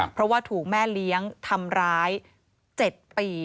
เพราะว่าถูกแม่เลี้ยงทำร้าย๗ปี